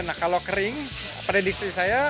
nah kalau kering prediksi saya